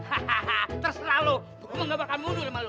hahaha terserah lo gue gak bakal mundur sama lo